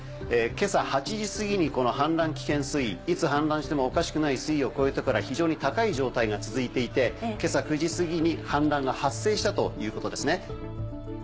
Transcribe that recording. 今朝８時すぎに氾濫危険水位いつ氾濫してもおかしくない水位を超えてから非常に高い状態が続いていて今朝９時すぎに氾濫が発生したということですね。